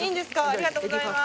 ありがとうございます。